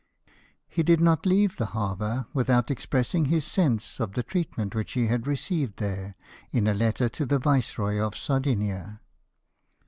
He did not leave the harbour without expressing his sense of the treatment which he had received there, in a letter to the Viceroy of Sardinia.